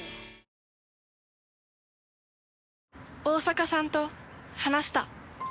大坂さんと話した。